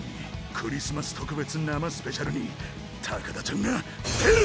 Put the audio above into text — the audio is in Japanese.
クリスマス特別生スペシャルに高田ちゃんが出る！